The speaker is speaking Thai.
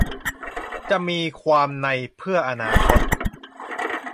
จะมีความนัยเพื่ออนาคต